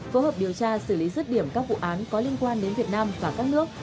phối hợp điều tra xử lý rứt điểm các vụ án có liên quan đến việt nam và các nước